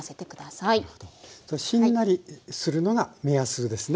しんなりするのが目安ですね。